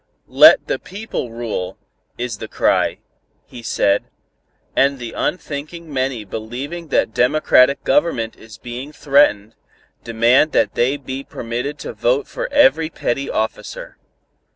"'Let the people rule,' is the cry," he said, "and the unthinking many believing that democratic government is being threatened, demand that they be permitted to vote for every petty officer.